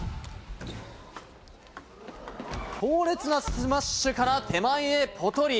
強烈なスマッシュから手前へぽとり。